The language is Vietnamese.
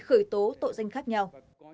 gửi tố tội danh khác nhau